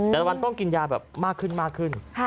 แต่ละวันต้องกินยาลดแบบมากขึ้น